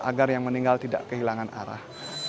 agar yang meninggal tidak kehilangan arah